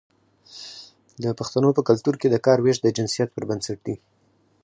د پښتنو په کلتور کې د کار ویش د جنسیت پر بنسټ وي.